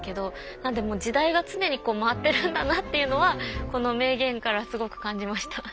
なんで時代は常に回ってるんだなっていうのはこの名言からすごく感じました。